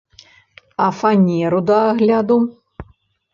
А фанеру да агляду?